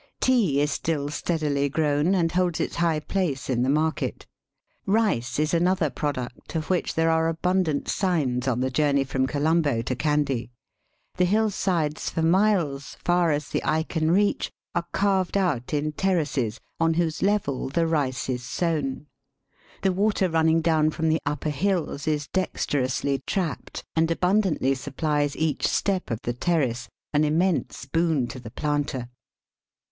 Tea is still steadily grown, and holds its high place in the market. Eice is another product, of which there are abundant signs on the journey from Digitized by VjOOQIC 152 EAST BY WEST. Colombo to Kandy. The lull sides for miles, far as the eye can reach, are carved out in terraces, on whose level the rice is sown. The water running down from the upper hills is dexterously trapped, and abundantly sup plies each step of the terrace, an immense boon to the planter.